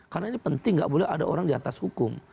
karena ini penting tidak boleh ada orang di atas hukum